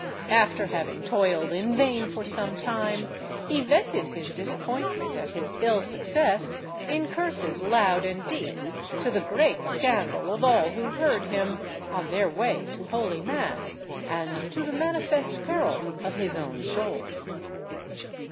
After having toiled in vain for some time, he vented his disappointment at his ill success, in curses loud and deep, to the great scandal of all who heard him, on their way to Holy Mass, and to the manifest peril of his own soul.